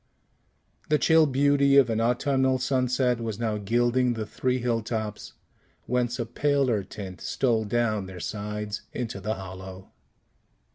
The chill beauty of an autumnal sunset was now gilding the three hill tops, whence a paler tint stole down their sides into the hollow.